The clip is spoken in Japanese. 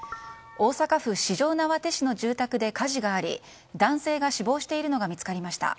大阪府四條畷市の住宅で火事があり男性が死亡しているのが見つかりました。